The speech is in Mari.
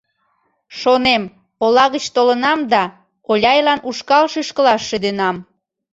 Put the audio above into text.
Шонем, ола гыч толынам да, Оляйлан ушкал шӱшкылаш шӱденам...